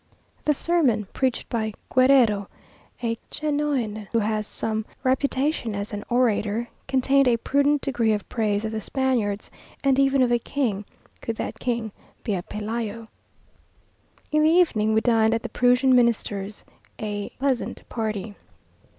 The sermon, preached by Guerrero, a chanoine who has some reputation as an orator, contained a prudent degree of praise of the Spaniards, and even of a king, could that king be a pelayo. In the evening we dined at the Prussian Minister's a pleasant party.